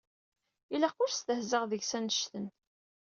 Ilaq ur stehzaɣ deg-s annect-en